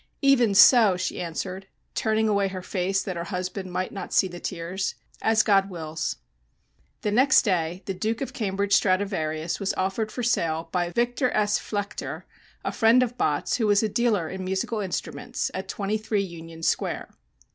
"Even so!" she answered, turning away her face that her husband might not see the tears. "As God wills." The next day "The Duke of Cambridge Stradivarius" was offered for sale by Victor S. Flechter, a friend of Bott's, who was a dealer in musical instruments at 23 Union Square.